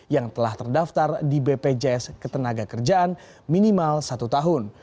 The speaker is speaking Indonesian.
yang telah terdaftar di bpjs ketenaga kerjaan minimal satu tahun